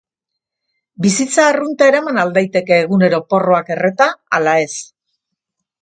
Bizitza arrunta eraman al daiteke egunero porroak erreta, ala ez?